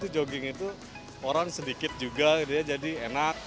jogging itu orang sedikit juga jadi enak